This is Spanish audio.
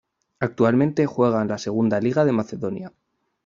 Actualmente juega en la Segunda Liga de Macedonia.